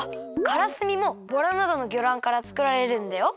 からすみもボラなどのぎょらんからつくられるんだよ。